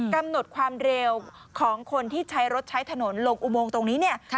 กำหนดความเร็วของคนที่ใช้รถใช้ถนนลงอุโมงตรงนี้เนี่ย